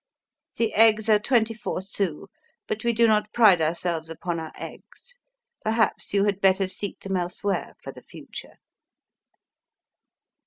The eggs are twenty four sous but we do not pride ourselves upon our eggs. Perhaps you had better seek them elsewhere for the future!"